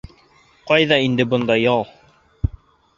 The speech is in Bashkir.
Ҡайҙа инде бында ял!